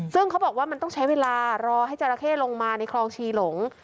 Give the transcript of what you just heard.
ซึ่งเขาบอกว่ามันต้องใช้เวลารอให้จราเข้ลงมาในคลองชีหลง